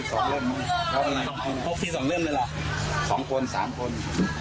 สองคนสามคน